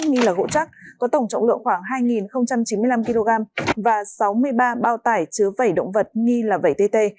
nghi là gỗ chắc có tổng trọng lượng khoảng hai chín mươi năm kg và sáu mươi ba bao tải chứa vẩy động vật nghi là vẩy tt